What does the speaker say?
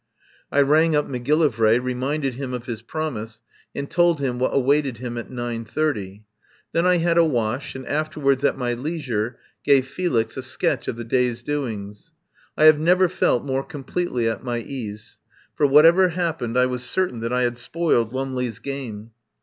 I rang up Macgillivray, reminded him of his promise, and told him what awaited him at 9.30. Then I had a wash, and afterwards at my leisure gave Felix a sketch of the day's doings. I have never felt more completely at my ease, for whatever happened I was certain that I had spoiled Lumley's game.